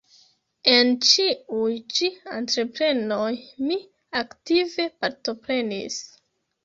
En ĉiuj ĉi entreprenoj mi aktive partoprenis.